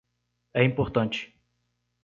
É importante